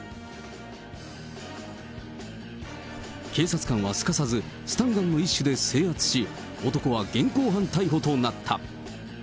警察官はすかさず、スタンガンの一種で制圧し、男は現行犯逮捕となった。